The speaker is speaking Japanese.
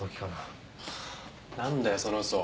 なんだよその嘘。